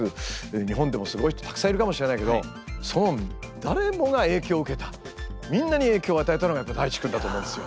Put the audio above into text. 日本でもすごい人たくさんいるかもしれないけどその誰もが影響を受けたみんなに影響を与えたのがやっぱＤａｉｃｈｉくんだと思うんですよ。